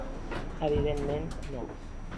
Evidentment, no.